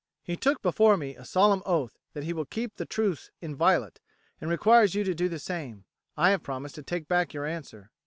He took before me a solemn oath that he will keep the truce inviolate, and requires you to do the same. I have promised to take back your answer."